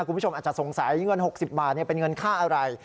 คุณผู้ชมอาจจะสงสัยเงิน๖๐บาทเป็นเงินค่าอะไร